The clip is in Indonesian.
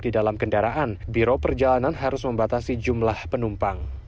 di dalam kendaraan biro perjalanan harus membatasi jumlah penumpang